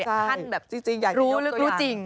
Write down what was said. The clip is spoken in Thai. ใช่รู้จริง